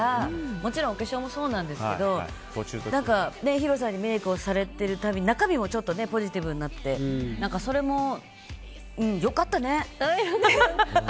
もちろんお化粧もそうなんですけどヒロさんにメイクをされていくたびに中身もポジティブになってそれも良かったね。